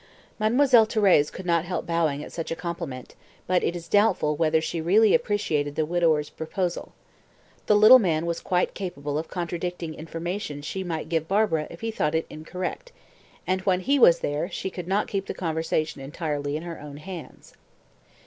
Mademoiselle Thérèse could not help bowing at such a compliment, but it is doubtful whether she really appreciated the widower's proposal. The little man was quite capable of contradicting information she might give Barbara if he thought it incorrect, and when he was there she could not keep the conversation entirely in her own hands.